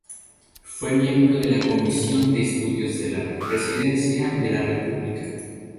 Fue miembro de la Comisión de Estudios de la Presidencia de la República.